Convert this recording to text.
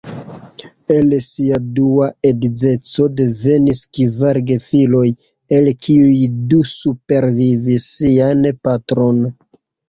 El sia dua edzeco devenis kvar gefiloj, el kiuj du supervivis sian patron.